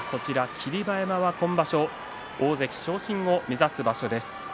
霧馬山は今場所大関昇進を目指す場所です。